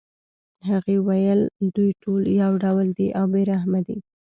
هغې ویل دوی ټول یو ډول دي او بې رحمه دي